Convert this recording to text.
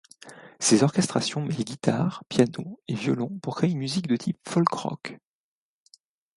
Ses orchestrations mêlent guitares, piano et violons pour créer une musique de type folk-rock.